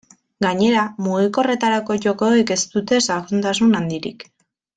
Gainera, mugikorretarako jokoek ez dute sakontasun handirik.